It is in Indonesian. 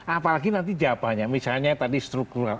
apalagi nanti jawabannya misalnya tadi struktural